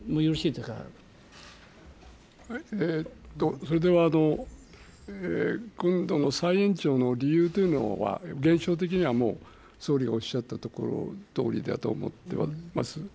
それでは今度の再延長の理由というのは、現象的には総理がおっしゃったとおりだと思っています。